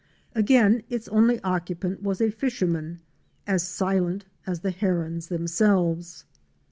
Again its only occupant was a fisherman, as silent as the Herons themselves.